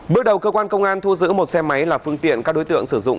bước đầu cơ quan công an thu giữ một xe máy là phương tiện các đối tượng sử dụng